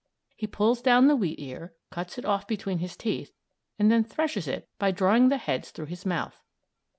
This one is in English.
He pulls down the wheat ear, cuts it off between his teeth, and then threshes it by drawing the heads through his mouth.